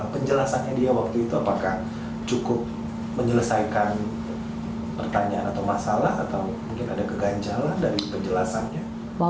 penjelasannya dia waktu itu apakah cukup menyelesaikan pertanyaan atau masalah atau mungkin ada keganjalan dari penjelasannya